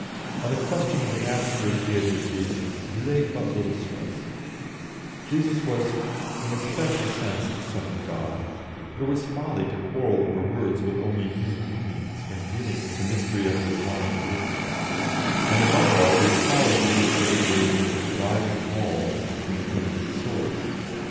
On the question of the absolute Deity of Jesus he laid but little stress; Jesus was "in a special sense the Son of God," but it was folly to quarrel over words with only human meanings when dealing with the mystery of the Divine existence, and, above all, it was folly to make such words into dividing walls between earnest souls.